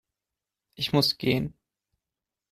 Ich muss gehen